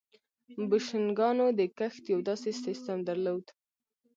بوشنګانو د کښت یو داسې سیستم درلود